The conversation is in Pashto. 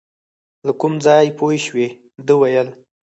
له کوم ځایه پوه شوې، ده ویل .